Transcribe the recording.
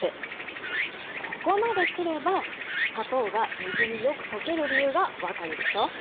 ここまで来れば砂糖が水によく溶ける理由が分かるでしょ？